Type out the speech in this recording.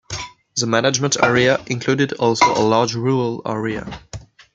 The management area included also a large rural area.